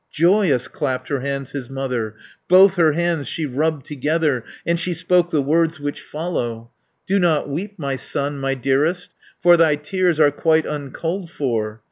Joyous clapped her hands his mother, Both her hands she rubbed together, And she spoke the words which follow: "Do not weep, my son, my dearest, For thy tears are quite uncalled for.